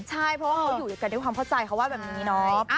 ใช่เพราะว่าเขาอยู่ด้วยกันด้วยความเข้าใจเขาว่าแบบนี้เนาะ